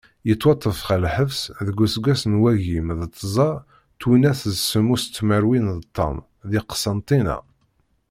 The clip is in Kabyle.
Yettwaṭṭef ɣer lḥebs deg useggas n wagim d tẓa twinas d semmus tmerwin d ṭam di Qsentina.